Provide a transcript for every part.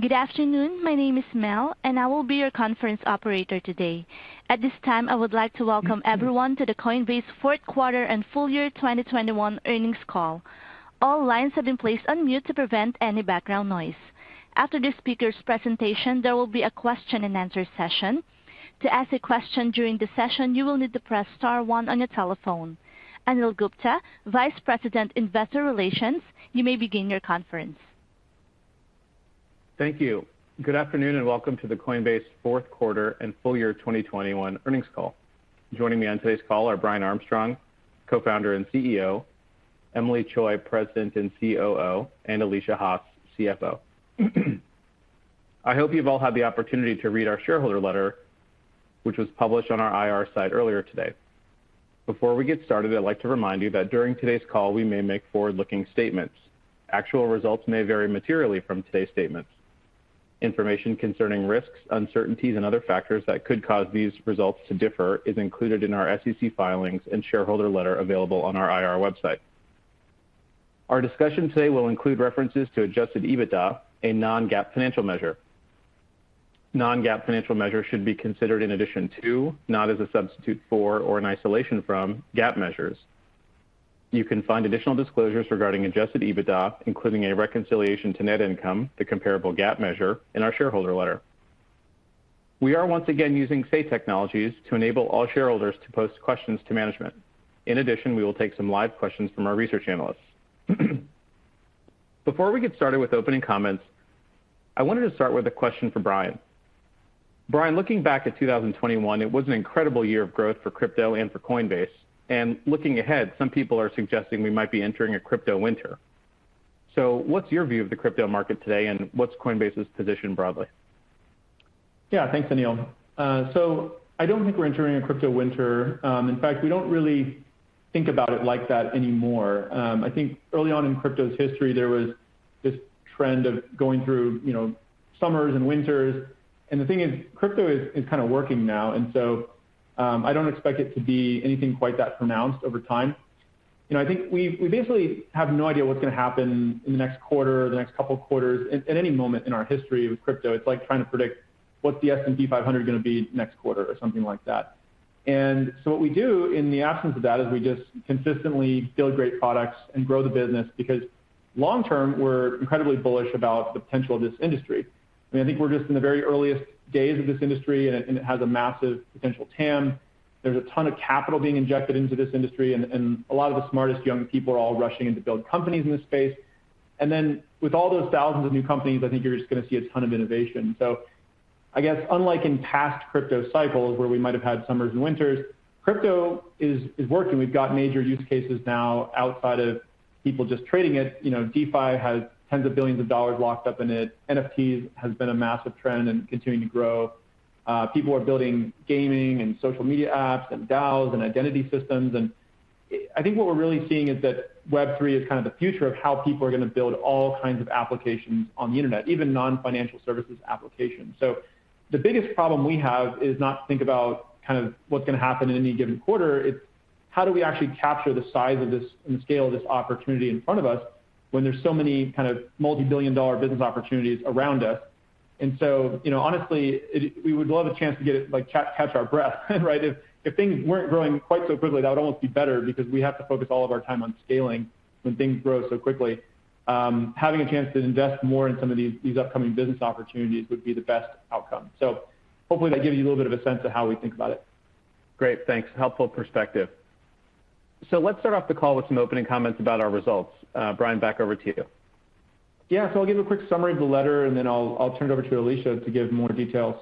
Good afternoon. My name is Mel, and I will be your conference Operator today. At this time, I would like to welcome everyone to the Coinbase Fourth Quarter and Full Year 2021 Earnings Call. All lines have been placed on mute to prevent any background noise. After the speaker's presentation, there will be a question and answer session. To ask a question during the session, you will need to press star one on your telephone. Anil Gupta, Vice President, Investor Relations, you may begin your conference. Thank you. Good afternoon, and welcome to the Coinbase fourth quarter and full year 2021 earnings call. Joining me on today's call are Brian Armstrong, Co-Founder and CEO, Emilie Choi, President and COO, and Alesia Haas, CFO. I hope you've all had the opportunity to read our shareholder letter, which was published on our IR site earlier today. Before we get started, I'd like to remind you that during today's call, we may make forward-looking statements. Actual results may vary materially from today's statements. Information concerning risks, uncertainties, and other factors that could cause these results to differ is included in our SEC filings and shareholder letter available on our IR website. Our discussion today will include references to adjusted EBITDA, a non-GAAP financial measure. Non-GAAP financial measures should be considered in addition to, not as a substitute for or an isolation from GAAP measures. You can find additional disclosures regarding adjusted EBITDA, including a reconciliation to net income, the comparable GAAP measure in our shareholder letter. We are once again using Say Technologies to enable all shareholders to post questions to management. In addition, we will take some live questions from our research analysts. Before we get started with opening comments, I wanted to start with a question for Brian. Brian, looking back at 2021, it was an incredible year of growth for crypto and for Coinbase. Looking ahead, some people are suggesting we might be entering a crypto winter. What's your view of the crypto market today, and what's Coinbase's position broadly? Yeah, thanks, Anil. I don't think we're entering a crypto winter. In fact, we don't really think about it like that anymore. I think early on in crypto's history, there was this trend of going through, you know, summers and winters. The thing is, crypto is kind of working now, and so, I don't expect it to be anything quite that pronounced over time. You know, I think we basically have no idea what's gonna happen in the next quarter or the next couple of quarters. At any moment in our history with crypto, it's like trying to predict what the S&P 500 is gonna be next quarter or something like that. What we do in the absence of that is we just consistently build great products and grow the business because long-term, we're incredibly bullish about the potential of this industry. I mean, I think we're just in the very earliest days of this industry, and it has a massive potential TAM. There's a ton of capital being injected into this industry, and a lot of the smartest young people are all rushing in to build companies in this space. With all those thousands of new companies, I think you're just gonna see a ton of innovation. I guess unlike in past crypto cycles where we might have had summers and winters, crypto is working. We've got major use cases now outside of people just trading it. You know, DeFi has tens of billions of dollars locked up in it. NFTs has been a massive trend and continuing to grow. People are building gaming and social media apps and DAOs and identity systems. I think what we're really seeing is that Web3 is kind of the future of how people are gonna build all kinds of applications on the internet, even non-financial services applications. The biggest problem we have is not to think about kind of what's gonna happen in any given quarter. It's how do we actually capture the size of this and scale this opportunity in front of us when there's so many kind of multi-billion dollar business opportunities around us. You know, honestly, we would love a chance to get it, like, catch our breath, right? If things weren't growing quite so quickly, that would almost be better because we have to focus all of our time on scaling when things grow so quickly. Having a chance to invest more in some of these upcoming business opportunities would be the best outcome. Hopefully that gives you a little bit of a sense of how we think about it. Great. Thanks. Helpful perspective. Let's start off the call with some opening comments about our results. Brian, back over to you. Yeah. I'll give a quick summary of the letter, and then I'll turn it over to Alesia to give more detail.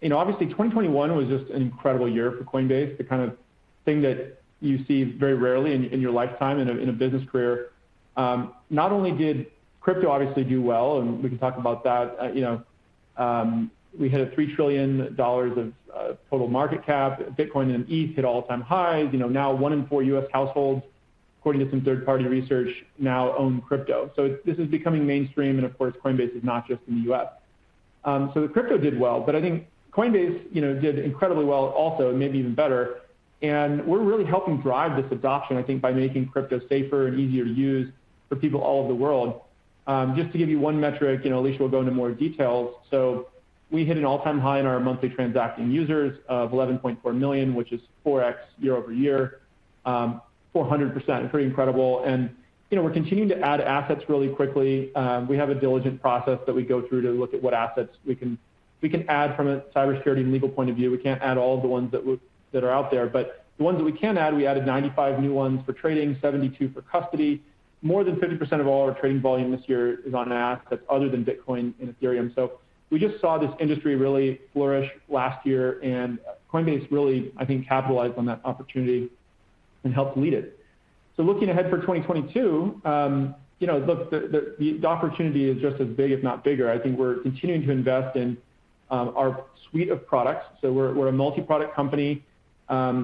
You know, obviously, 2021 was just an incredible year for Coinbase, the kind of thing that you see very rarely in your lifetime, in a business career. Not only did crypto obviously do well, and we can talk about that. You know, we hit $3 trillion of total market cap. Bitcoin and ETH hit all-time highs. You know, now one in four U.S. households, according to some third-party research, now own crypto. This is becoming mainstream, and of course, Coinbase is not just in the U.S. The crypto did well, but I think Coinbase did incredibly well also, and maybe even better. We're really helping drive this adoption, I think, by making crypto safer and easier to use for people all over the world. Just to give you one metric, you know, Alesia will go into more details. We hit an all-time high in our monthly transacting users of 11.4 million, which is 4x year-over-year, 400%. Pretty incredible. You know, we're continuing to add assets really quickly. We have a diligent process that we go through to look at what assets we can add from a cybersecurity and legal point of view. We can't add all of the ones that are out there. The ones that we can add, we added 95 new ones for trading, 72 for custody. More than 50% of all our trading volume this year is on assets other than Bitcoin and Ethereum. We just saw this industry really flourish last year, and Coinbase really, I think, capitalized on that opportunity and helped lead it. Looking ahead for 2022, you know, look, the opportunity is just as big, if not bigger. I think we're continuing to invest in our suite of products. We're a multi-product company.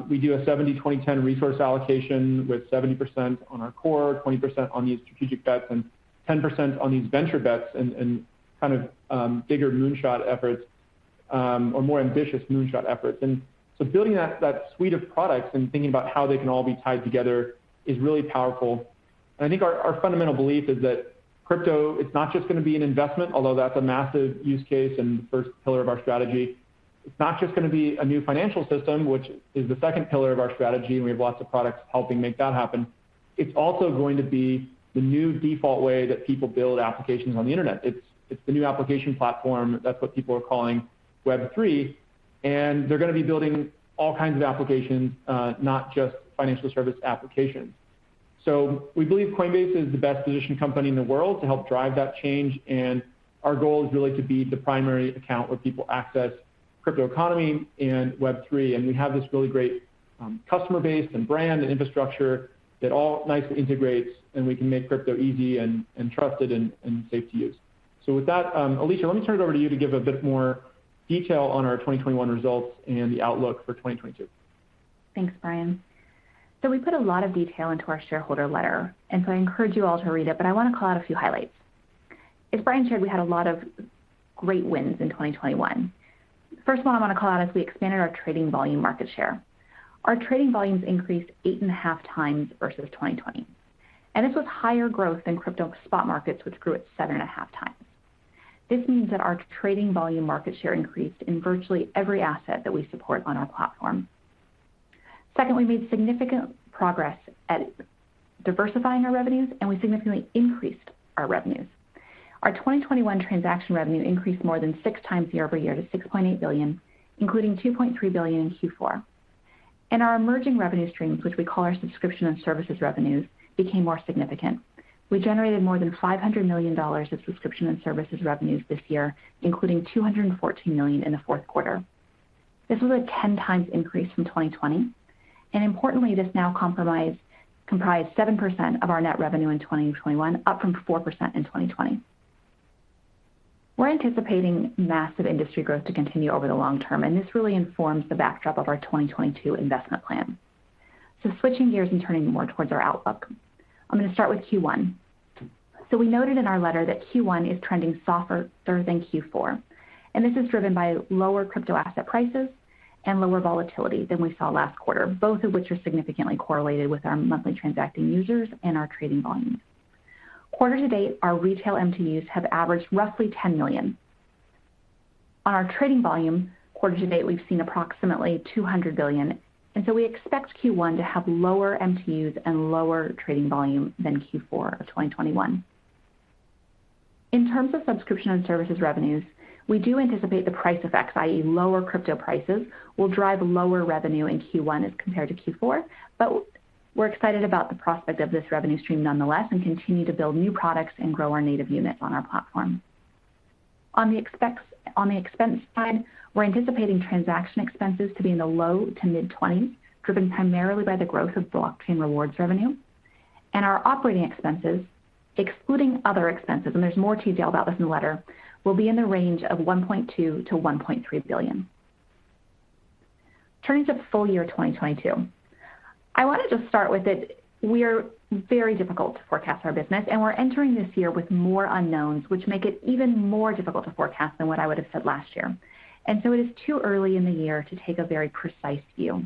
We do a 70/20/10 resource allocation, with 70% on our core, 20% on these strategic bets, and 10% on these venture bets and kind of bigger moonshot efforts or more ambitious moonshot efforts. Building that suite of products and thinking about how they can all be tied together is really powerful. I think our fundamental belief is that crypto, it's not just gonna be an investment, although that's a massive use case and first pillar of our strategy. It's not just gonna be a new financial system, which is the second pillar of our strategy, and we have lots of products helping make that happen. It's also going to be the new default way that people build applications on the internet. It's the new application platform. That's what people are calling Web3. They're gonna be building all kinds of applications, not just financial service applications. We believe Coinbase is the best positioned company in the world to help drive that change, and our goal is really to be the primary account where people access crypto economy and Web3. We have this really great customer base and brand and infrastructure that all nicely integrates, and we can make crypto easy and trusted and safe to use. With that, Alesia, let me turn it over to you to give a bit more detail on our 2021 results and the outlook for 2022. Thanks, Brian. We put a lot of detail into our shareholder letter, and so I encourage you all to read it, but I wanna call out a few highlights. As Brian shared, we had a lot of great wins in 2021. First of all, I wanna call out as we expanded our trading volume market share. Our trading volumes increased 8.5 times versus 2020. This was higher growth than crypto spot markets, which grew at 7.5 times. This means that our trading volume market share increased in virtually every asset that we support on our platform. Second, we made significant progress at diversifying our revenues, and we significantly increased our revenues. Our 2021 transaction revenue increased more than 6 times year-over-year to $6.8 billion, including $2.3 billion in Q4. Our emerging revenue streams, which we call our subscription and services revenues, became more significant. We generated more than $500 million of subscription and services revenues this year, including $214 million in the fourth quarter. This was a 10 times increase from 2020. Importantly, this now comprised 7% of our net revenue in 2021, up from 4% in 2020. We're anticipating massive industry growth to continue over the long term, and this really informs the backdrop of our 2022 investment plan. Switching gears and turning more towards our outlook. I'm gonna start with Q1. We noted in our letter that Q1 is trending softer than Q4, and this is driven by lower crypto asset prices and lower volatility than we saw last quarter, both of which are significantly correlated with our monthly transacting users and our trading volumes. Quarter to date, our retail MTUs have averaged roughly 10 million. On our trading volume, quarter to date, we've seen approximately $200 billion, and so we expect Q1 to have lower MTUs and lower trading volume than Q4 of 2021. In terms of subscription and services revenues, we do anticipate the price effect, i.e., lower crypto prices, will drive lower revenue in Q1 as compared to Q4, but we're excited about the prospect of this revenue stream nonetheless and continue to build new products and grow our native units on our platform. On the expense side, we're anticipating transaction expenses to be in the low to mid-20s%, driven primarily by the growth of blockchain rewards revenue. Our operating expenses, excluding other expenses, and there's more detail about this in the letter, will be in the range of $1.2-$1.3 billion. Turning to full year 2022. I wanna just start with that it is very difficult to forecast our business, and we're entering this year with more unknowns, which make it even more difficult to forecast than what I would have said last year. It is too early in the year to take a very precise view.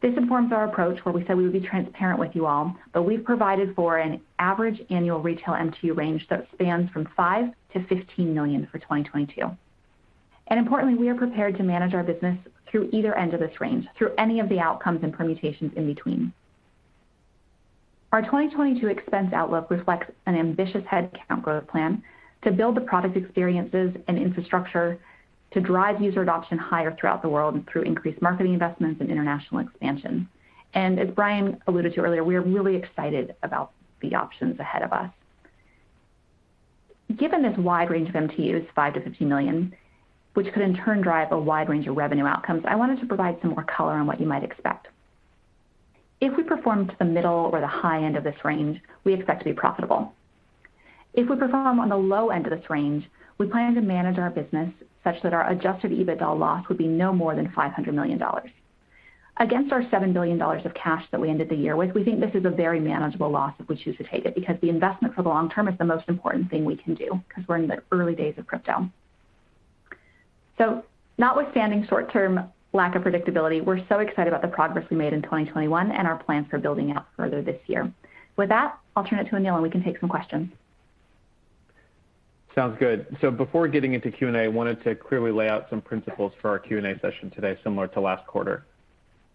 This informs our approach where we said we would be transparent with you all, but we've provided for an average annual retail MTU range that spans from 5-15 million for 2022. Importantly, we are prepared to manage our business through either end of this range, through any of the outcomes and permutations in between. Our 2022 expense outlook reflects an ambitious head count growth plan to build the product experiences and infrastructure to drive user adoption higher throughout the world through increased marketing investments and international expansion. As Brian alluded to earlier, we are really excited about the options ahead of us. Given this wide range of MTUs, 5-15 million, which could in turn drive a wide range of revenue outcomes, I wanted to provide some more color on what you might expect. If we perform to the middle or the high end of this range, we expect to be profitable. If we perform on the low end of this range, we plan to manage our business such that our adjusted EBITDA loss would be no more than $500 million. Against our $7 billion of cash that we ended the year with, we think this is a very manageable loss if we choose to take it because the investment for the long term is the most important thing we can do because we're in the early days of crypto. Notwithstanding short-term lack of predictability, we're so excited about the progress we made in 2021 and our plans for building out further this year. With that, I'll turn it to Anil, and we can take some questions. Sounds good. Before getting into Q&A, I wanted to clearly lay out some principles for our Q&A session today, similar to last quarter.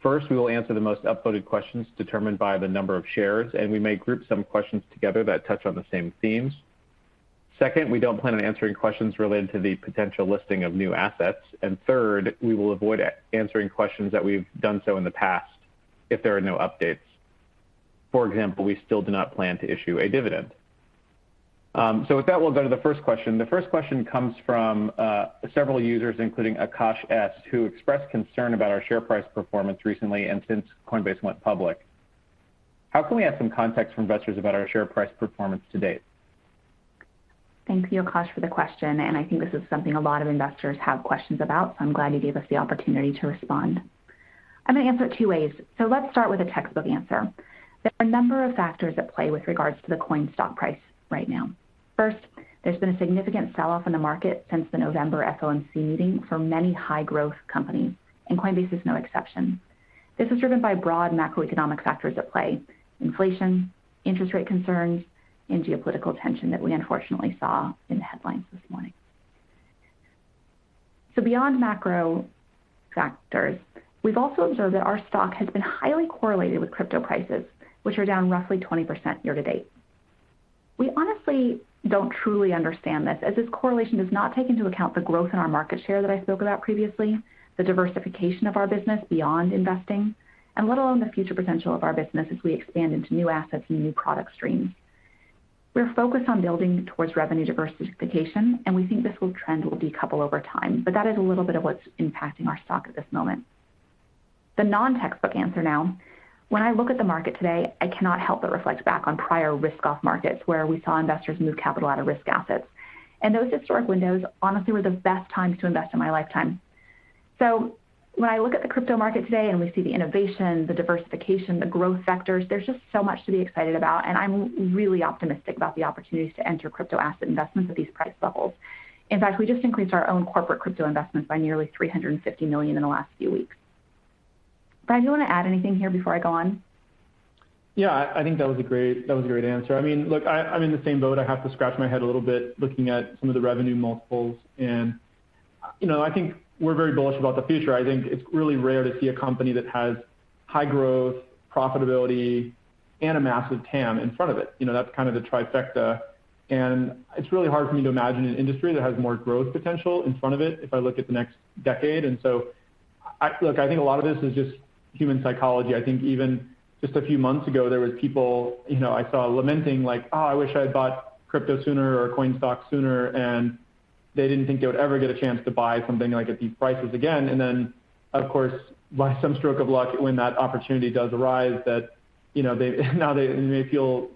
First, we will answer the most upvoted questions determined by the number of shares, and we may group some questions together that touch on the same themes. Second, we don't plan on answering questions related to the potential listing of new assets. Third, we will avoid answering questions that we've done so in the past if there are no updates. For example, we still do not plan to issue a dividend. With that, we'll go to the first question. The first question comes from several users, including Akash S., who expressed concern about our share price performance recently and since Coinbase went public. How can we add some context for investors about our share price performance to date? Thanks, Akash, for the question, and I think this is something a lot of investors have questions about, so I'm glad you gave us the opportunity to respond. I'm gonna answer it two ways. Let's start with a textbook answer. There are a number of factors at play with regards to the COIN stock price right now. First, there's been a significant sell-off in the market since the November FOMC meeting for many high-growth companies, and Coinbase is no exception. This is driven by broad macroeconomic factors at play, inflation, interest rate concerns, and geopolitical tension that we unfortunately saw in the headlines this morning. Beyond macro factors, we've also observed that our stock has been highly correlated with crypto prices, which are down roughly 20% year-to-date. We honestly don't truly understand this, as this correlation does not take into account the growth in our market share that I spoke about previously, the diversification of our business beyond investing, and let alone the future potential of our business as we expand into new assets and new product streams. We're focused on building towards revenue diversification, and we think this whole trend will decouple over time. But that is a little bit of what's impacting our stock at this moment. The non-textbook answer now. When I look at the market today, I cannot help but reflect back on prior risk-off markets where we saw investors move capital out of risk assets. Those historic windows, honestly, were the best times to invest in my lifetime. When I look at the crypto market today and we see the innovation, the diversification, the growth vectors, there's just so much to be excited about, and I'm really optimistic about the opportunities to enter crypto asset investments at these price levels. In fact, we just increased our own corporate crypto investments by nearly $350 million in the last few weeks. Brian, do you wanna add anything here before I go on? Yeah. I think that was a great answer. I mean, look, I'm in the same boat. I have to scratch my head a little bit looking at some of the revenue multiples. You know, I think we're very bullish about the future. I think it's really rare to see a company that has high growth, profitability, and a massive TAM in front of it. You know, that's kind of the trifecta. It's really hard for me to imagine an industry that has more growth potential in front of it if I look at the next decade. Look, I think a lot of this is just human psychology. I think even just a few months ago, there was people, you know, I saw lamenting like, "Oh, I wish I'd bought crypto sooner or Coin stocks sooner," and they didn't think they would ever get a chance to buy something like at these prices again. Of course, by some stroke of luck, when that opportunity does arise, that, you know, they may feel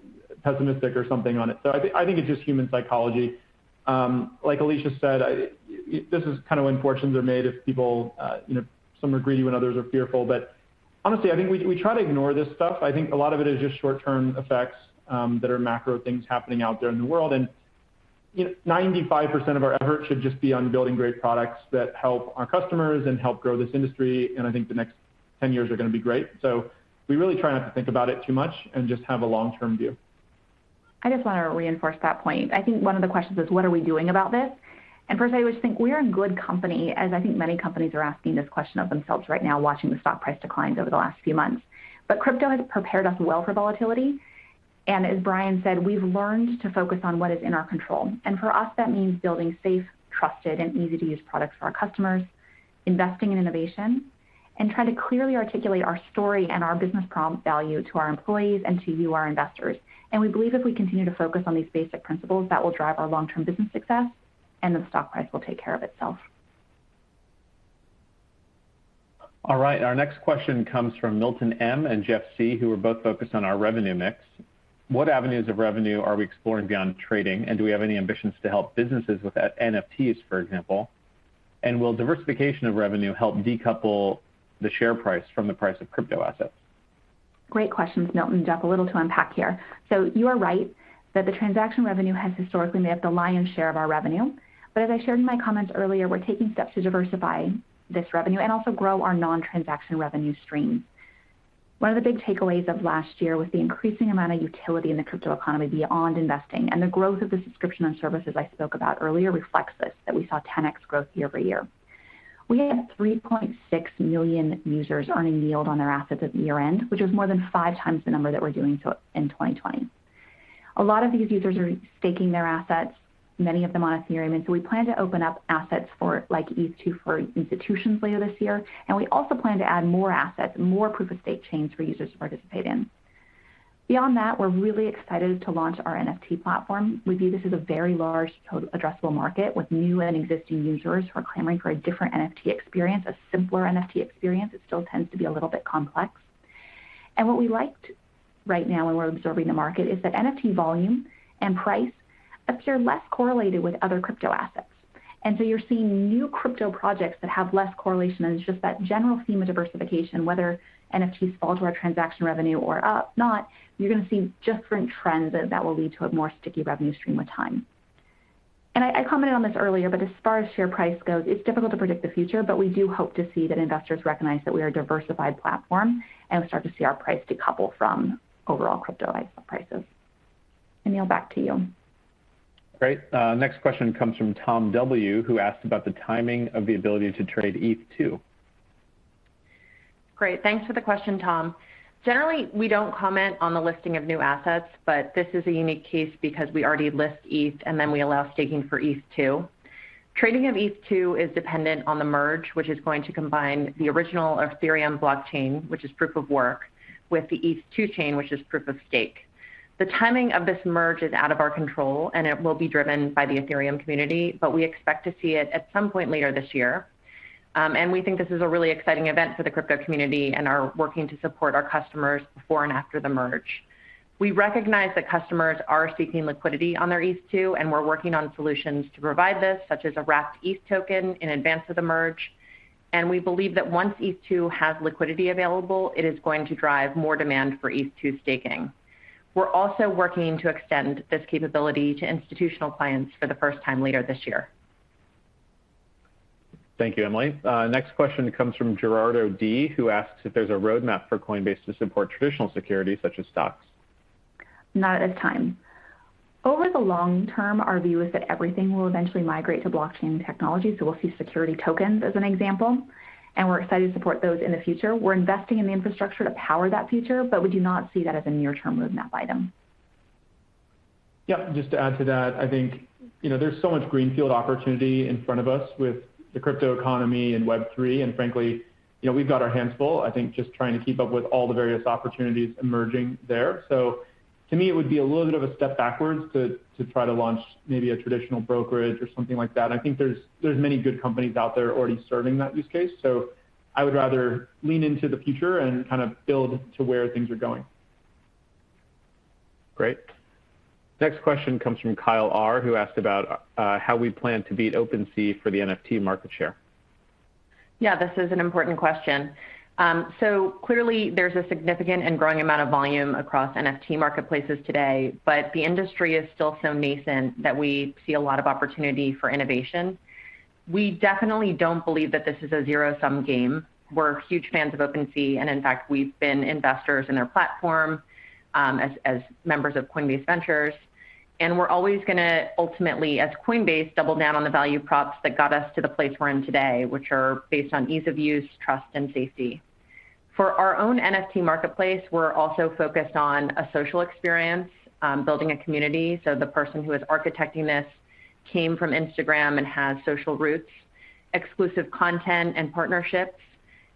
pessimistic or something on it. I think it's just human psychology. Like Alesia said, this is kind of when fortunes are made if people, you know, some are greedy when others are fearful. Honestly, I think we try to ignore this stuff. I think a lot of it is just short-term effects, that are macro things happening out there in the world. 95% of our effort should just be on building great products that help our customers and help grow this industry, and I think the next 10 years are gonna be great. We really try not to think about it too much and just have a long-term view. I just wanna reinforce that point. I think one of the questions is what are we doing about this? First, I would think we are in good company, as I think many companies are asking this question of themselves right now, watching the stock price declines over the last few months. Crypto has prepared us well for volatility. As Brian said, we've learned to focus on what is in our control. For us, that means building safe, trusted, and easy-to-use products for our customers, investing in innovation, and trying to clearly articulate our story and our business value to our employees and to you, our investors. We believe if we continue to focus on these basic principles, that will drive our long-term business success, and then the stock price will take care of itself. All right, our next question comes from Milton M. and Jeff C., who are both focused on our revenue mix. What avenues of revenue are we exploring beyond trading, and do we have any ambitions to help businesses with NFTs, for example? And will diversification of revenue help decouple the share price from the price of crypto assets? Great questions, Milton and Jeff. A little to unpack here. You are right that the transaction revenue has historically made up the lion's share of our revenue. As I shared in my comments earlier, we're taking steps to diversify this revenue and also grow our non-transaction revenue stream. One of the big takeaways of last year was the increasing amount of utility in the crypto economy beyond investing, and the growth of the subscription and services I spoke about earlier reflects this, that we saw 10x growth year-over-year. We had 3.6 million users earning yield on their assets at year-end, which was more than five times the number that we're doing so in 2020. A lot of these users are staking their assets, many of them on Ethereum. We plan to open up assets for like ETH2 for institutions later this year, and we also plan to add more assets, more proof of stake chains for users to participate in. Beyond that, we're really excited to launch our NFT platform. We view this as a very large total addressable market with new and existing users who are clamoring for a different NFT experience, a simpler NFT experience. It still tends to be a little bit complex. What we liked right now when we're observing the market is that NFT volume and price appear less correlated with other crypto assets. You're seeing new crypto projects that have less correlation, and it's just that general theme of diversification, whether NFTs fall to our transaction revenue or not, you're gonna see different trends that will lead to a more sticky revenue stream with time. I commented on this earlier, but as far as share price goes, it's difficult to predict the future, but we do hope to see that investors recognize that we are a diversified platform and start to see our price decouple from overall crypto prices. Anil, back to you. Great. Next question comes from Tom W., who asked about the timing of the ability to trade ETH2. Great. Thanks for the question, Tom. Generally, we don't comment on the listing of new assets, but this is a unique case because we already list ETH, and then we allow staking for ETH2. Trading of ETH2 is dependent on The Merge, which is going to combine the original Ethereum blockchain, which is proof of work, with the ETH2 chain, which is proof of stake. The timing of this merge is out of our control, and it will be driven by the Ethereum community, but we expect to see it at some point later this year. We think this is a really exciting event for the crypto community and are working to support our customers before and after The Merge. We recognize that customers are seeking liquidity on their ETH2, and we're working on solutions to provide this, such as a wrapped ETH token in advance of The Merge. We believe that once ETH2 has liquidity available, it is going to drive more demand for ETH2 staking. We're also working to extend this capability to institutional clients for the first time later this year. Thank you, Emilie. Next question comes from Gerardo D., who asks if there's a roadmap for Coinbase to support traditional securities such as stocks. Not at this time. Over the long term, our view is that everything will eventually migrate to blockchain technology, so we'll see security tokens as an example, and we're excited to support those in the future. We're investing in the infrastructure to power that future, but we do not see that as a near-term roadmap item. Yep. Just to add to that, I think, you know, there's so much greenfield opportunity in front of us with the crypto economy and Web3, and frankly, you know, we've got our hands full, I think, just trying to keep up with all the various opportunities emerging there. To me, it would be a little bit of a step backwards to try to launch maybe a traditional brokerage or something like that. I think there's many good companies out there already serving that use case. I would rather lean into the future and kind of build to where things are going. Great. Next question comes from Kyle R., who asked about how we plan to beat OpenSea for the NFT market share. Yeah, this is an important question. So clearly there's a significant and growing amount of volume across NFT marketplaces today. The industry is still so nascent that we see a lot of opportunity for innovation. We definitely don't believe that this is a zero-sum game. We're huge fans of OpenSea, and in fact, we've been investors in their platform, as members of Coinbase Ventures. We're always gonna, ultimately, as Coinbase, double down on the value props that got us to the place we're in today, which are based on ease of use, trust, and safety. For our own NFT marketplace, we're also focused on a social experience, building a community, so the person who is architecting this came from Instagram and has social roots, exclusive content and partnerships,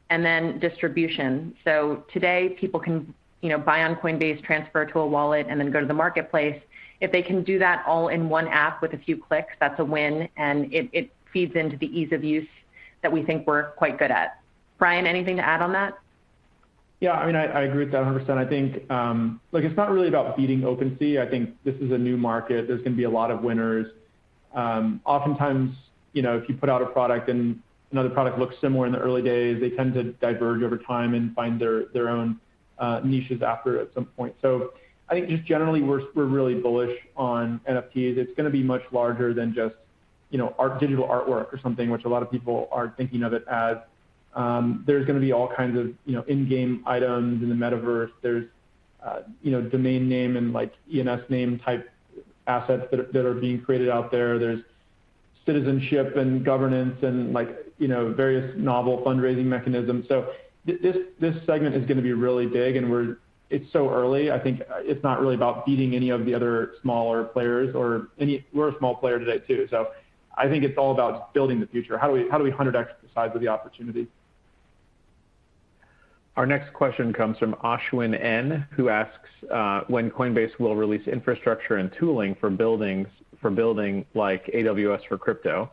and then distribution. Today, people can, you know, buy on Coinbase, transfer to a wallet, and then go to the marketplace. If they can do that all in one app with a few clicks, that's a win, and it feeds into the ease of use that we think we're quite good at. Brian, anything to add on that? Yeah, I mean, I agree with that 100%. I think, look, it's not really about beating OpenSea. I think this is a new market. There's gonna be a lot of winners. Oftentimes, you know, if you put out a product and another product looks similar in the early days, they tend to diverge over time and find their own niches after at some point. So I think just generally we're really bullish on NFTs. It's gonna be much larger than just, you know, art, digital artwork or something, which a lot of people are thinking of it as. There's gonna be all kinds of, you know, in-game items in the metaverse. There's, you know, domain name and, like, ENS name-type assets that are being created out there. There's citizenship and governance and, like, you know, various novel fundraising mechanisms. This segment is gonna be really big, and it's so early. I think it's not really about beating any of the other smaller players or any. We're a small player today too. I think it's all about building the future. How do we hundred X the size of the opportunity? Our next question comes from Ashwin N., who asks when Coinbase will release infrastructure and tooling for building like AWS for crypto.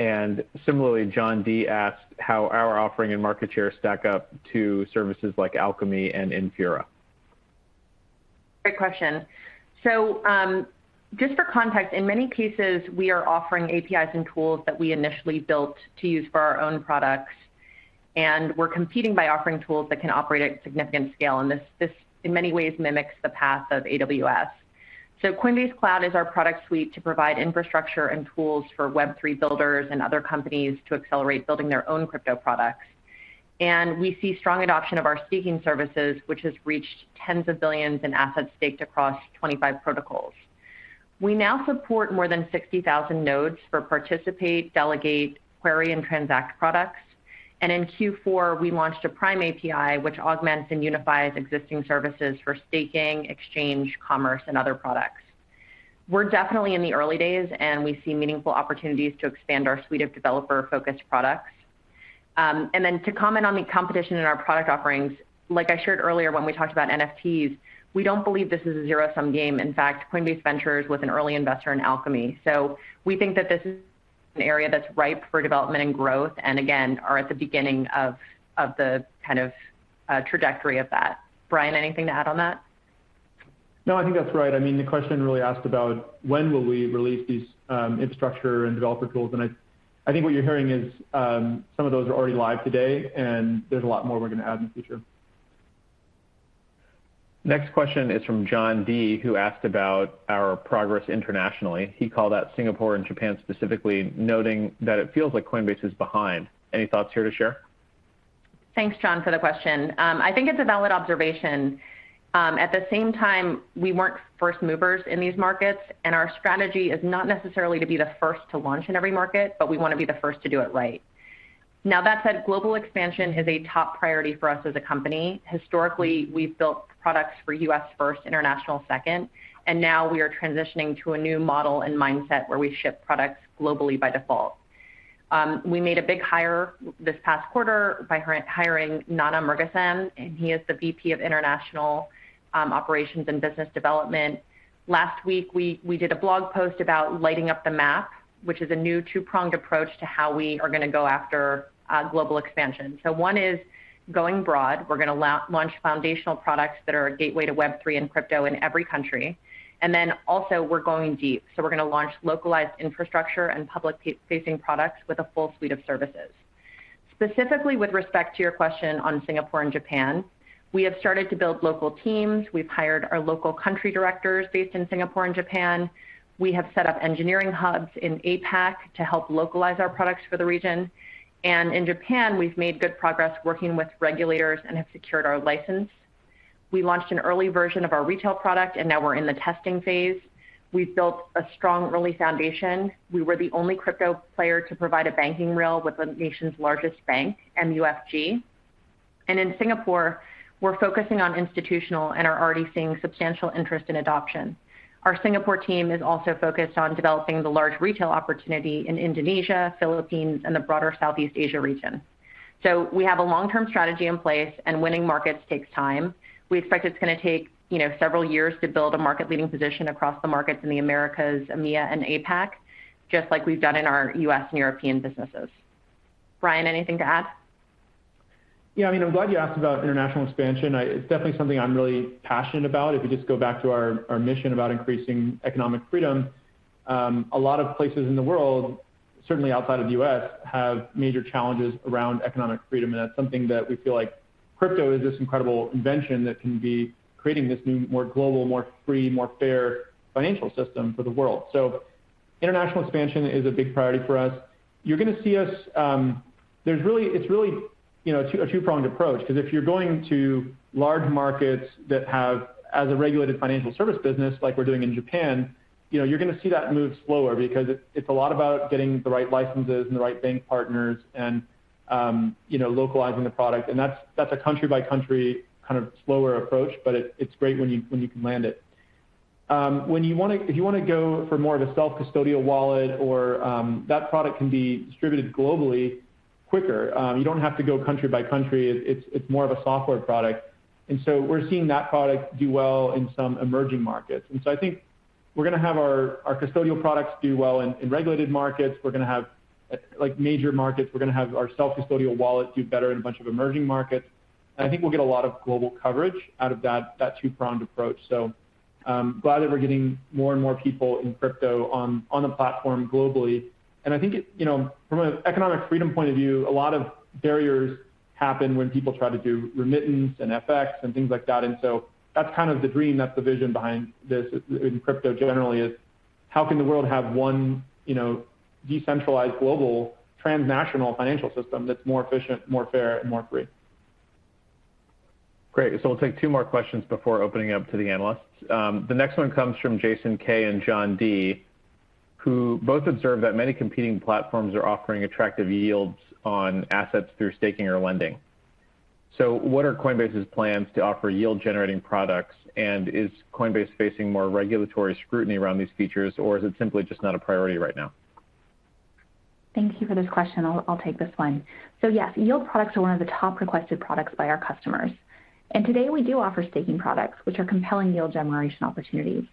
Similarly, John D. asked how our offering and market share stack up to services like Alchemy and Infura. Great question. Just for context, in many cases, we are offering APIs and tools that we initially built to use for our own products, and we're competing by offering tools that can operate at significant scale, and this in many ways mimics the path of AWS. Coinbase Cloud is our product suite to provide infrastructure and tools for Web3 builders and other companies to accelerate building their own crypto products. We see strong adoption of our staking services, which has reached tens of billions in assets staked across 25 protocols. We now support more than 60,000 nodes for participate, delegate, query, and transact products. In Q4, we launched a Prime API, which augments and unifies existing services for staking, exchange, commerce, and other products. We're definitely in the early days, and we see meaningful opportunities to expand our suite of developer-focused products. To comment on the competition in our product offerings, like I shared earlier when we talked about NFTs, we don't believe this is a zero-sum game. In fact, Coinbase Ventures was an early investor in Alchemy. So we think that this is an area that's ripe for development and growth, and again, are at the beginning of the kind of trajectory of that. Brian, anything to add on that? No, I think that's right. I mean, the question really asked about when will we release these infrastructure and developer tools, and I think what you're hearing is some of those are already live today, and there's a lot more we're gonna add in the future. Next question is from John D., who asked about our progress internationally. He called out Singapore and Japan specifically, noting that it feels like Coinbase is behind. Any thoughts here to share? Thanks, John, for the question. I think it's a valid observation. At the same time, we weren't first movers in these markets, and our strategy is not necessarily to be the first to launch in every market, but we wanna be the first to do it right. Now, that said, global expansion is a top priority for us as a company. Historically, we've built products for U.S. first, international second, and now we are transitioning to a new model and mindset where we ship products globally by default. We made a big hire this past quarter by hiring Nana Murugesan, and he is the VP of International Operations and Business Development. Last week, we did a blog post about lighting up the map, which is a new two-pronged approach to how we are gonna go after global expansion. One is going broad. We're gonna launch foundational products that are a gateway to Web3 and crypto in every country. Also we're going deep. We're gonna launch localized infrastructure and public facing products with a full suite of services. Specifically, with respect to your question on Singapore and Japan, we have started to build local teams. We've hired our local country directors based in Singapore and Japan. We have set up engineering hubs in APAC to help localize our products for the region. In Japan, we've made good progress working with regulators and have secured our license. We launched an early version of our retail product, and now we're in the testing phase. We've built a strong early foundation. We were the only crypto player to provide a banking rail with the nation's largest bank, MUFG. In Singapore, we're focusing on institutional and are already seeing substantial interest in adoption. Our Singapore team is also focused on developing the large retail opportunity in Indonesia, Philippines, and the broader Southeast Asia region. We have a long-term strategy in place, and winning markets takes time. We expect it's gonna take, you know, several years to build a market-leading position across the markets in the Americas, EMEA, and APAC, just like we've done in our U.S. and European businesses. Brian, anything to add? Yeah, I mean, I'm glad you asked about international expansion. It's definitely something I'm really passionate about. If you just go back to our mission about increasing economic freedom, a lot of places in the world, certainly outside of the U.S., have major challenges around economic freedom, and that's something that we feel like crypto is this incredible invention that can be creating this new, more global, more free, more fair financial system for the world. International expansion is a big priority for us. You're gonna see us. It's really, you know, a two-pronged approach 'cause if you're going to large markets that have, as a regulated financial service business, like we're doing in Japan, you know, you're gonna see that move slower because it's a lot about getting the right licenses and the right bank partners and, you know, localizing the product. That's a country-by-country kind of slower approach, but it's great when you can land it. When you wanna go for more of a self-custodial wallet or that product can be distributed globally quicker. You don't have to go country by country. It's more of a software product. We're seeing that product do well in some emerging markets. I think we're gonna have our custodial products do well in regulated markets. We're gonna have, like, major markets. We're gonna have our self-custodial wallet do better in a bunch of emerging markets. I think we'll get a lot of global coverage out of that two-pronged approach. I'm glad that we're getting more and more people in crypto on the platform globally. I think it, you know, from an economic freedom point of view, a lot of barriers happen when people try to do remittance and FX and things like that. that's kind of the dream, that's the vision behind this, in crypto generally, is how can the world have one, you know, decentralized global transnational financial system that's more efficient, more fair, and more free. Great. We'll take two more questions before opening up to the analysts. The next one comes from Jason K. and John D., who both observed that many competing platforms are offering attractive yields on assets through staking or lending. What are Coinbase's plans to offer yield-generating products? And is Coinbase facing more regulatory scrutiny around these features, or is it simply just not a priority right now? Thank you for this question. I'll take this one. Yes, yield products are one of the top requested products by our customers. Today, we do offer staking products, which are compelling yield generation opportunities.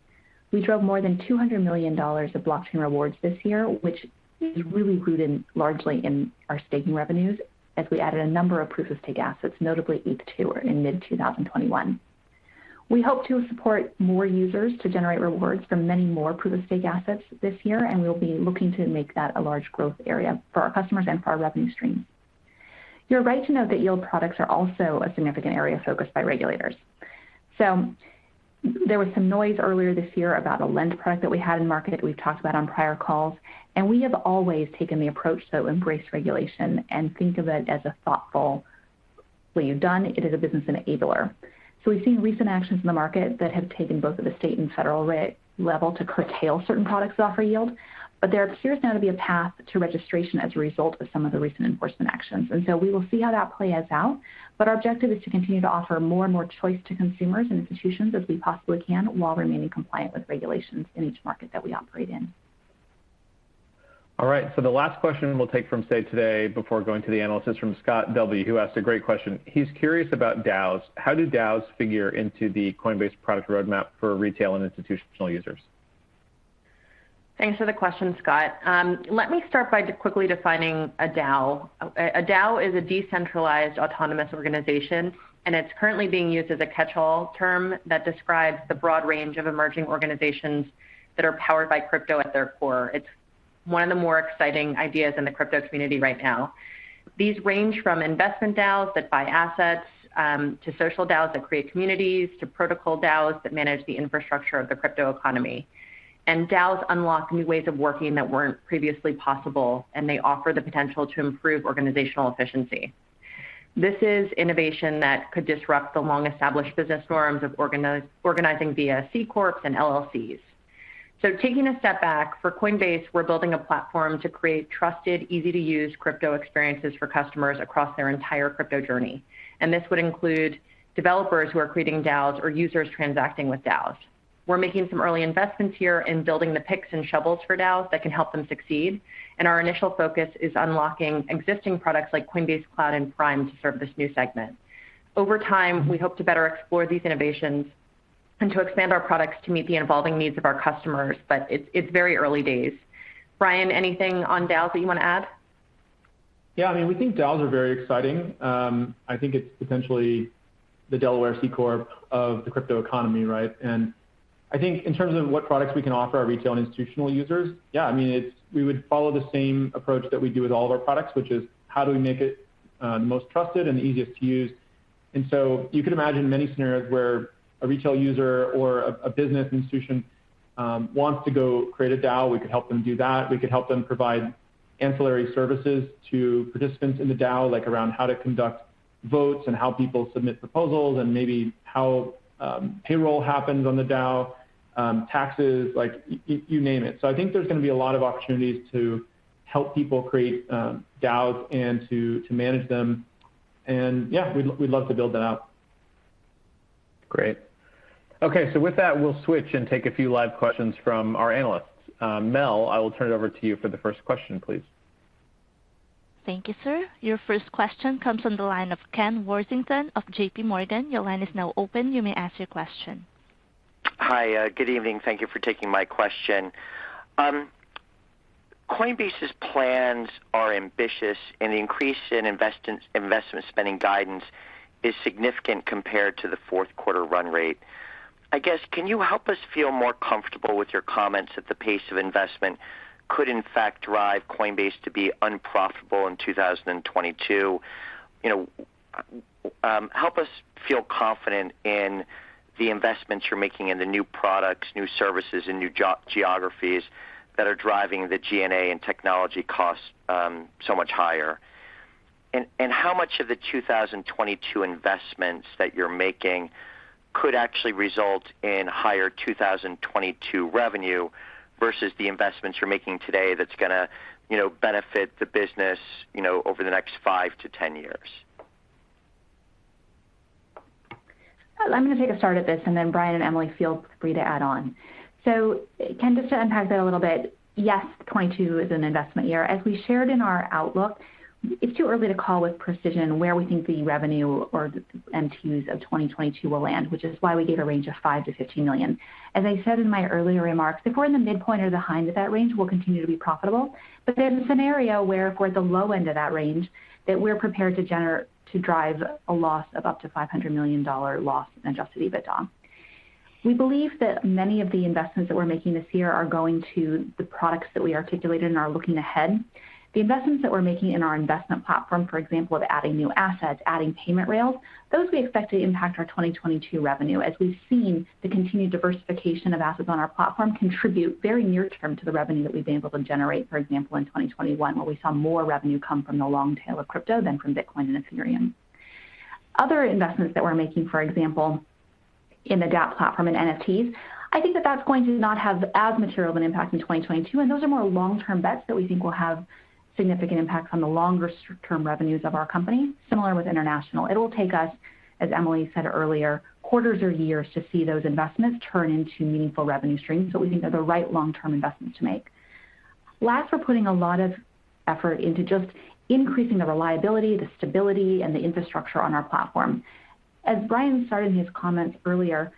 We drove more than $200 million of blockchain rewards this year, which is really rooted largely in our staking revenues as we added a number of proof-of-stake assets, notably ETH2 in mid-2021. We hope to support more users to generate rewards for many more proof-of-stake assets this year, and we'll be looking to make that a large growth area for our customers and for our revenue stream. You're right to note that yield products are also a significant area of focus by regulators. There was some noise earlier this year about a lend product that we had in market that we've talked about on prior calls, and we have always taken the approach to embrace regulation and think of it as a thoughtful way it's done. It is a business enabler. We've seen recent actions in the market that have taken both at the state and federal level to curtail certain products that offer yield. There appears now to be a path to registration as a result of some of the recent enforcement actions. We will see how that plays out. Our objective is to continue to offer more and more choice to consumers and institutions as we possibly can while remaining compliant with regulations in each market that we operate in. All right. The last question we'll take from Say today before going to the analyst is from Scott W., who asked a great question. He's curious about DAOs. How do DAOs figure into the Coinbase product roadmap for retail and institutional users? Thanks for the question, Scott. Let me start by quickly defining a DAO. A DAO is a decentralized autonomous organization, and it's currently being used as a catch-all term that describes the broad range of emerging organizations that are powered by crypto at their core. It's one of the more exciting ideas in the crypto community right now. These range from investment DAOs that buy assets, to social DAOs that create communities, to protocol DAOs that manage the infrastructure of the crypto economy. DAOs unlock new ways of working that weren't previously possible, and they offer the potential to improve organizational efficiency. This is innovation that could disrupt the long-established business norms of organizing via C-corps and LLCs. Taking a step back, for Coinbase, we're building a platform to create trusted, easy-to-use crypto experiences for customers across their entire crypto journey, and this would include developers who are creating DAOs or users transacting with DAOs. We're making some early investments here in building the picks and shovels for DAOs that can help them succeed, and our initial focus is unlocking existing products like Coinbase Cloud and Prime to serve this new segment. Over time, we hope to better explore these innovations and to expand our products to meet the evolving needs of our customers, but it's very early days. Brian, anything on DAOs that you wanna add? Yeah. I mean, we think DAOs are very exciting. I think it's potentially the Delaware C Corp of the crypto economy, right? I think in terms of what products we can offer our retail and institutional users, yeah, I mean, we would follow the same approach that we do with all of our products, which is how do we make it the most trusted and easiest to use. You could imagine many scenarios where a retail user or a business institution wants to go create a DAO. We could help them do that. We could help them provide ancillary services to participants in the DAO, like around how to conduct votes and how people submit proposals and maybe how payroll happens on the DAO, taxes, like, you name it. I think there's gonna be a lot of opportunities to help people create DAOs and to manage them, and yeah, we'd love to build that out. Great. Okay, so with that, we'll switch and take a few live questions from our analysts. Mel, I will turn it over to you for the first question, please. Thank you, sir. Your first question comes from the line of Ken Worthington of JPMorgan. Your line is now open. You may ask your question. Hi. Good evening. Thank you for taking my question. Coinbase's plans are ambitious, and the increase in investment spending guidance is significant compared to the fourth quarter run rate. I guess, can you help us feel more comfortable with your comments that the pace of investment could in fact drive Coinbase to be unprofitable in 2022? You know, help us feel confident in the investments you're making in the new products, new services, and new geographies that are driving the G&A and technology costs so much higher. How much of the 2022 investments that you're making could actually result in higher 2022 revenue versus the investments you're making today that's gonna, you know, benefit the business, you know, over the next 5-10 years? I'm gonna take a stab at this, and then Brian and Emilie feel free to add on. Ken, just to unpack that a little bit, yes, 2022 is an investment year. As we shared in our outlook, it's too early to call with precision where we think the revenue or MTUs of 2022 will land, which is why we gave a range of 5-15 million. As I said in my earlier remarks, if we're in the midpoint or the high end of that range, we'll continue to be profitable. In the scenario where if we're at the low end of that range, we're prepared to drive a loss of up to $500 million in adjusted EBITDA. We believe that many of the investments that we're making this year are going to the products that we articulated and are looking ahead. The investments that we're making in our investment platform, for example, of adding new assets, adding payment rails, those we expect to impact our 2022 revenue, as we've seen the continued diversification of assets on our platform contribute very near term to the revenue that we've been able to generate, for example, in 2021, where we saw more revenue come from the long tail of crypto than from Bitcoin and Ethereum. Other investments that we're making, for example, in the dApp platform and NFTs, I think that that's going to not have as material of an impact in 2022, and those are more long-term bets that we think will have significant impact on the longer-term revenues of our company, similar with international. It'll take us, as Emilie said earlier, quarters or years to see those investments turn into meaningful revenue streams, but we think they're the right long-term investments to make. Last, we're putting a lot of effort into just increasing the reliability, the stability, and the infrastructure on our platform. As Brian stated in his comments earlier,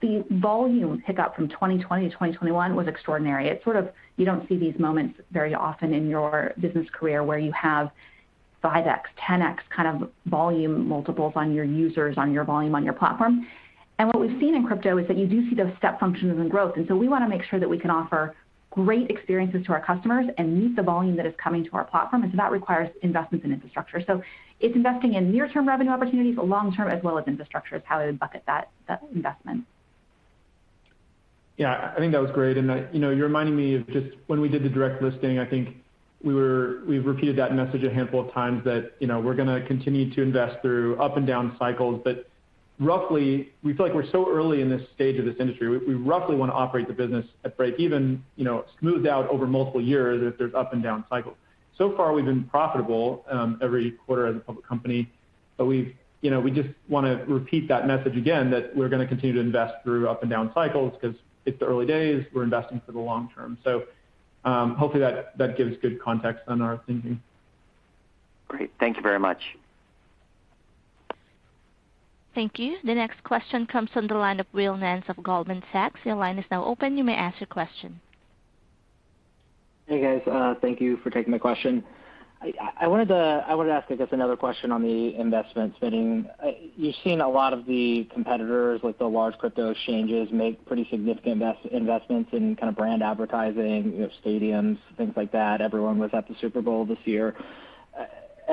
the volume pickup from 2020 to 2021 was extraordinary. It's sort of you don't see these moments very often in your business career where you have 5x, 10x kind of volume multiples on your users, on your volume, on your platform. What we've seen in crypto is that you do see those step functions in growth. We wanna make sure that we can offer great experiences to our customers and meet the volume that is coming to our platform, and so that requires investments in infrastructure. It's investing in near-term revenue opportunities, long-term as well as infrastructure is how I would bucket that investment. Yeah. I think that was great. You know, you're reminding me of just when we did the direct listing. I think we've repeated that message a handful of times that, you know, we're gonna continue to invest through up and down cycles. Roughly, we feel like we're so early in this stage of this industry. We roughly wanna operate the business at break even, you know, smoothed out over multiple years if there's up and down cycles. So far, we've been profitable every quarter as a public company, but you know, we just wanna repeat that message again that we're gonna continue to invest through up and down cycles 'cause it's the early days. We're investing for the long term. Hopefully that gives good context on our thinking. Great. Thank you very much. Thank you. The next question comes from the line of Will Nance of Goldman Sachs. Your line is now open. You may ask your question. Hey, guys. Thank you for taking my question. I wanted to ask, I guess, another question on the investment spending. You've seen a lot of the competitors with the large crypto exchanges make pretty significant investments in kind of brand advertising, you know, stadiums, things like that. Everyone was at the Super Bowl this year.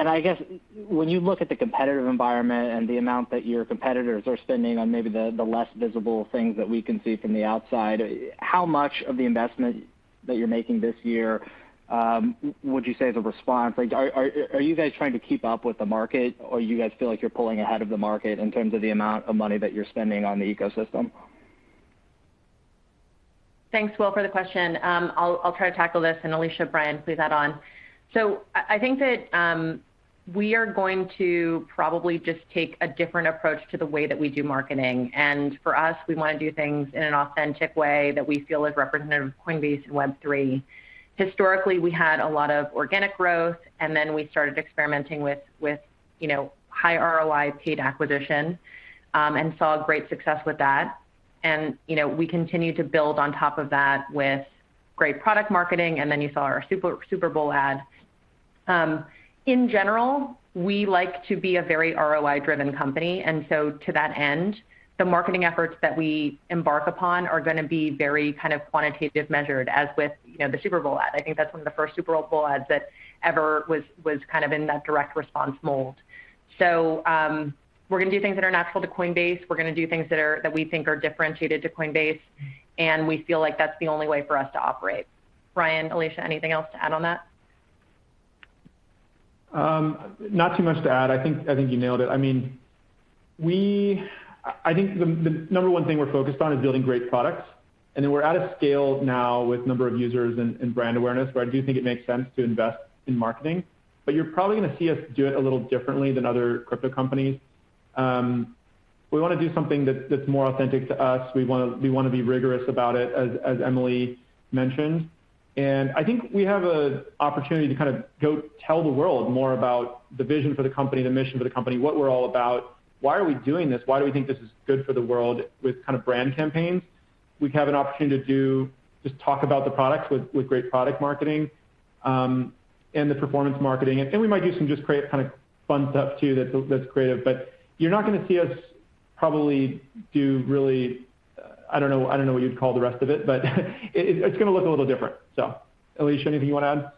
I guess when you look at the competitive environment and the amount that your competitors are spending on maybe the less visible things that we can see from the outside, how much of the investment that you're making this year would you say is a response? Like, are you guys trying to keep up with the market, or you guys feel like you're pulling ahead of the market in terms of the amount of money that you're spending on the ecosystem? Thanks, Will, for the question. I'll try to tackle this, and Alesia, Brian, please add on. I think that we are going to probably just take a different approach to the way that we do marketing. For us, we wanna do things in an authentic way that we feel is representative of Coinbase and Web3. Historically, we had a lot of organic growth, and then we started experimenting with you know, high ROI paid acquisition, and saw great success with that. You know, we continue to build on top of that with great product marketing, and then you saw our Super Bowl ad. In general, we like to be a very ROI-driven company, and so to that end, the marketing efforts that we embark upon are gonna be very kind of quantitative measured, as with, you know, the Super Bowl ad. I think that's one of the first Super Bowl ads that ever was kind of in that direct response mold. We're gonna do things that are natural to Coinbase. We're gonna do things that we think are differentiated to Coinbase, and we feel like that's the only way for us to operate. Brian, Alesia, anything else to add on that? Not too much to add. I think you nailed it. I mean, I think the number one thing we're focused on is building great products. We're at a scale now with number of users and brand awareness where I do think it makes sense to invest in marketing, but you're probably gonna see us do it a little differently than other crypto companies. We wanna do something that's more authentic to us. We wanna be rigorous about it, as Emilie mentioned. I think we have an opportunity to kind of go tell the world more about the vision for the company, the mission for the company, what we're all about. Why are we doing this? Why do we think this is good for the world with kind of brand campaigns? We have an opportunity to just talk about the products with great product marketing and the performance marketing. We might do some just create kind of fun stuff too that's creative. You're not gonna see us probably do really. I don't know what you'd call the rest of it, but it's gonna look a little different. Alesia, anything you wanna add?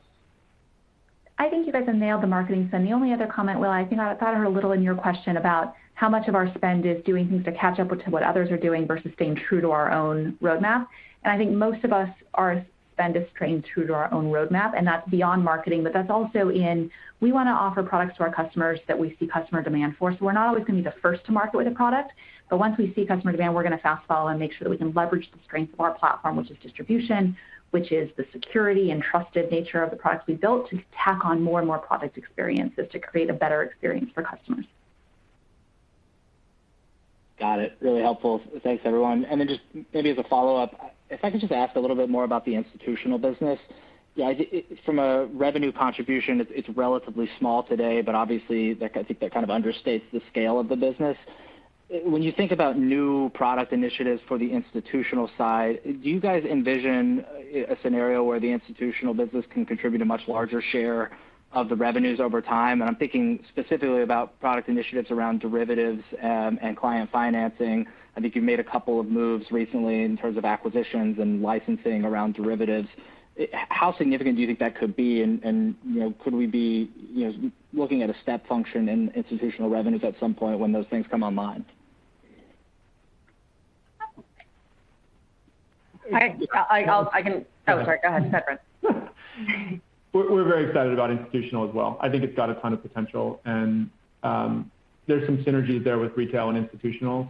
I think you guys have nailed the marketing spend. The only other comment, Will, I think I thought I heard a little in your question about how much of our spend is doing things to catch up with to what others are doing versus staying true to our own roadmap. I think most of us, our spend is staying true to our own roadmap, and that's beyond marketing. That's also in, we wanna offer products to our customers that we see customer demand for. We're not always gonna be the first to market with a product, but once we see customer demand, we're gonna fast follow and make sure that we can leverage the strength of our platform, which is distribution, which is the security and trusted nature of the products we built to tack on more and more product experiences to create a better experience for customers. Got it. Really helpful. Thanks, everyone. Just maybe as a follow-up, if I could just ask a little bit more about the institutional business. Yeah, I think from a revenue contribution, it's relatively small today, but obviously that, I think that kind of understates the scale of the business. When you think about new product initiatives for the institutional side, do you guys envision a scenario where the institutional business can contribute a much larger share of the revenues over time? I'm thinking specifically about product initiatives around derivatives, and client financing. I think you've made a couple of moves recently in terms of acquisitions and licensing around derivatives. How significant do you think that could be? You know, could we be, you know, looking at a step function in institutional revenues at some point when those things come online? Oh, sorry. Go ahead, Brian. We're very excited about institutional as well. I think it's got a ton of potential, and there's some synergies there with retail and institutional.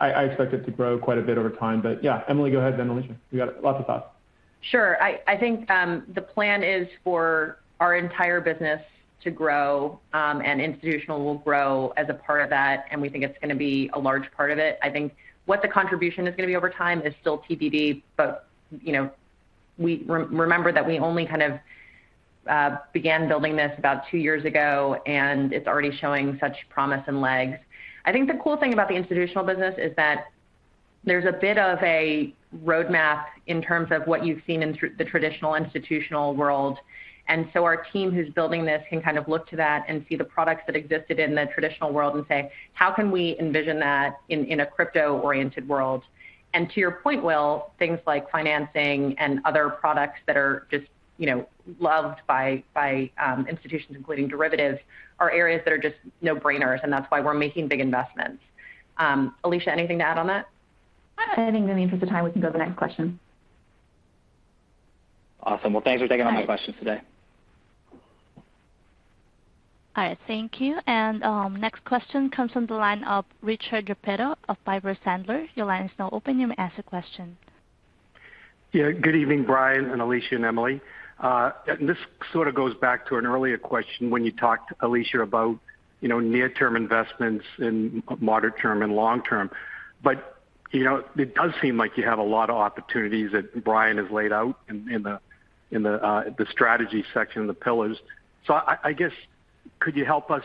I expect it to grow quite a bit over time. Yeah, Emilie, go ahead, then Alesia. You got lots of thoughts. Sure. I think the plan is for our entire business to grow, and institutional will grow as a part of that, and we think it's gonna be a large part of it. I think what the contribution is gonna be over time is still TBD, but you know, we remember that we only kind of began building this about two years ago, and it's already showing such promise and legs. I think the cool thing about the institutional business is that there's a bit of a roadmap in terms of what you've seen in the traditional institutional world. Our team who's building this can kind of look to that and see the products that existed in the traditional world and say, "How can we envision that in a crypto-oriented world?" To your point, Will, things like financing and other products that are just, you know, loved by institutions, including derivatives, are areas that are just no-brainers, and that's why we're making big investments. Alesia, anything to add on that? I think in the interest of time we can go to the next question. Awesome. Well, thanks for taking all my questions today. All right. Thank you. Next question comes from the line of Rich Repetto of Piper Sandler. Your line is now open. You may ask a question. Yeah. Good evening, Brian and Alesia and Emilie. This sort of goes back to an earlier question when you talked, Alesia, about, you know, near-term investments and moderate term and long term. You know, it does seem like you have a lot of opportunities that Brian has laid out in the strategy section and the pillars. I guess, could you help us,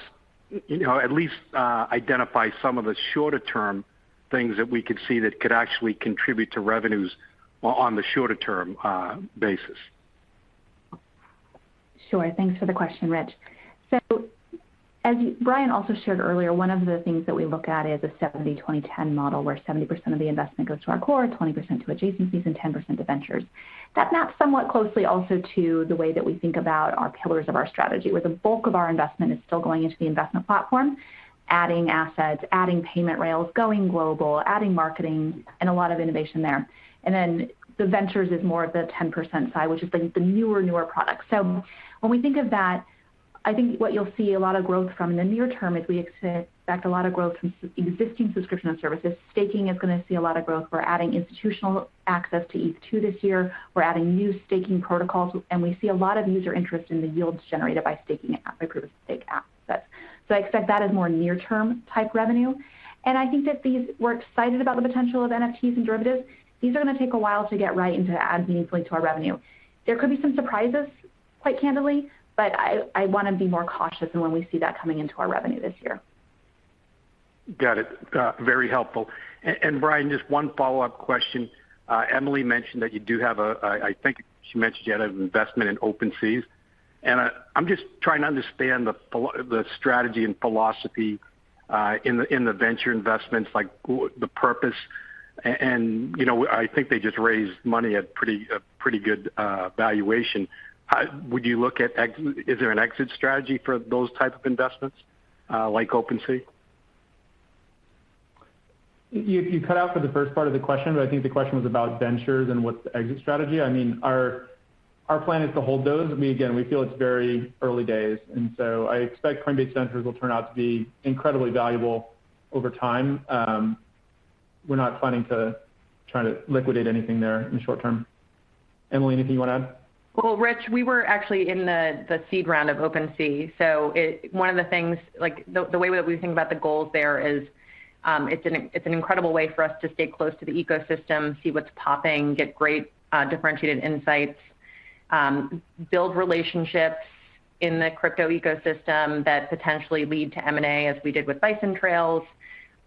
you know, at least identify some of the shorter term things that we could see that could actually contribute to revenues on the shorter term basis? Sure. Thanks for the question, Rich. As Brian also shared earlier, one of the things that we look at is a 70/20/10 model where 70% of the investment goes to our core, 20% to adjacencies, and 10% to ventures. That maps somewhat closely also to the way that we think about our pillars of our strategy, where the bulk of our investment is still going into the investment platform, adding assets, adding payment rails, going global, adding marketing, and a lot of innovation there. Then the ventures is more of the 10% side, which is like the newer products. When we think of that I think what you'll see a lot of growth from in the near term is we expect a lot of growth from existing subscription services. Staking is gonna see a lot of growth. We're adding institutional access to ETH2 this year. We're adding new staking protocols, and we see a lot of user interest in the yields generated by staking it, by proof of stake assets. I expect that as more near term type revenue. I think that these, we're excited about the potential of NFTs and derivatives. These are gonna take a while to get right and to add meaningfully to our revenue. There could be some surprises, quite candidly, but I wanna be more cautious in when we see that coming into our revenue this year. Got it. Very helpful. Brian, just one follow-up question. Emilie mentioned that you do have a, I think she mentioned you had an investment in OpenSea. I'm just trying to understand the strategy and philosophy in the venture investments, like the purpose. You know, I think they just raised money at pretty good valuation. Is there an exit strategy for those type of investments, like OpenSea? You cut out for the first part of the question, but I think the question was about ventures and what's the exit strategy. I mean, our plan is to hold those. I mean, again, we feel it's very early days, and so I expect Coinbase Ventures will turn out to be incredibly valuable over time. We're not planning to try to liquidate anything there in the short term. Emilie, anything you wanna add? Well, Rich, we were actually in the seed round of OpenSea. One of the things, like, the way we think about the goals there is, it's an incredible way for us to stay close to the ecosystem, see what's popping, get great differentiated insights, build relationships in the crypto ecosystem that potentially lead to M&A, as we did with Bison Trails.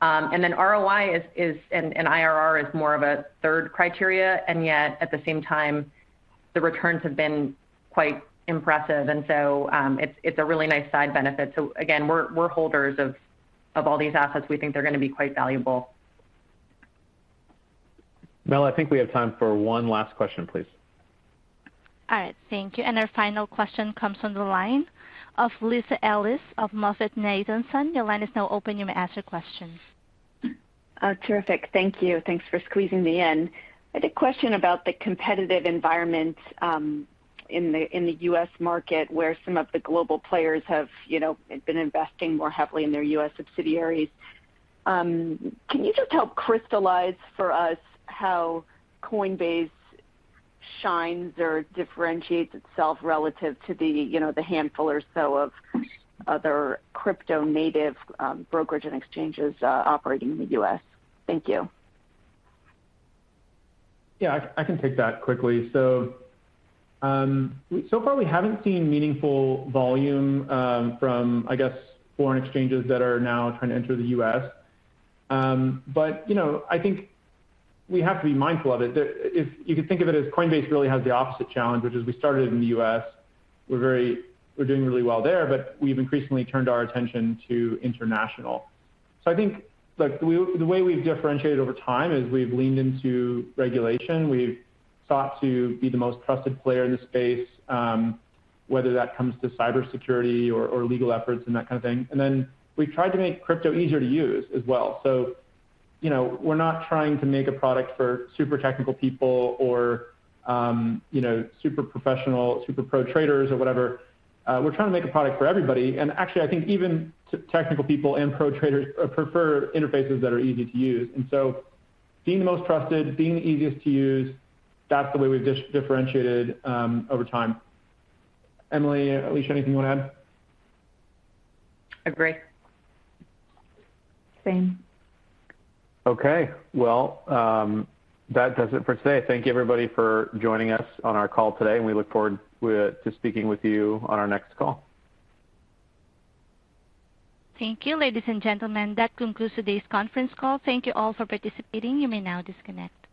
And then ROI is and IRR is more of a third criteria, and yet at the same time, the returns have been quite impressive. It's a really nice side benefit. Again, we're holders of all these assets. We think they're gonna be quite valuable. Mel, I think we have time for one last question, please. All right. Thank you. Our final question comes from the line of Lisa Ellis of MoffettNathanson. Your line is now open. You may ask your question. Terrific. Thank you. Thanks for squeezing me in. I had a question about the competitive environment in the U.S. market, where some of the global players have, you know, been investing more heavily in their U.S. subsidiaries. Can you just help crystallize for us how Coinbase shines or differentiates itself relative to the, you know, the handful or so of other crypto native brokerage and exchanges operating in the U.S.? Thank you. I can take that quickly. So far we haven't seen meaningful volume from, I guess, foreign exchanges that are now trying to enter the U.S. But you know, I think we have to be mindful of it. If you could think of it as Coinbase really has the opposite challenge, which is we started in the U.S. We're doing really well there, but we've increasingly turned our attention to international. I think the way we've differentiated over time is we've leaned into regulation. We've sought to be the most trusted player in the space, whether that comes to cybersecurity or legal efforts and that kind of thing. Then we've tried to make crypto easier to use as well. You know, we're not trying to make a product for super technical people or, you know, super professional, super pro traders or whatever. We're trying to make a product for everybody. Actually, I think even technical people and pro traders prefer interfaces that are easy to use. Being the most trusted, being the easiest to use, that's the way we've differentiated over time. Emilie, Alesia, anything you wanna add? Agree. Same. Okay. Well, that does it for today. Thank you everybody for joining us on our call today, and we look forward to speaking with you on our next call. Thank you, ladies and gentlemen. That concludes today's conference call. Thank you all for participating. You may now disconnect.